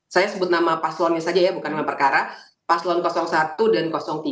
saya sebut nama paslonnya saja ya bukan nama perkara paslon satu dan tiga